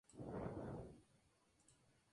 Puede atraerse a las casas con soluciones azucaradas.